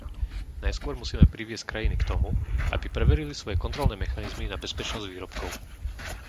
Najskôr musíme priviesť krajiny k tomu, aby preverili svoje kontrolné mechanizmy na bezpečnosť výrobkov.